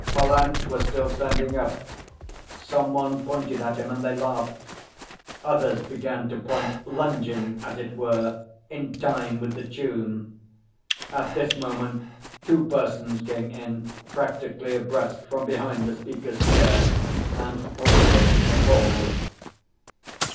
Pallant was still standing up. Some one pointed at him and they laughed. Others began to point, lunging, as it were, in time with the tune. At this moment two persons came in practically abreast from behind the Speaker's chair, and halted appalled.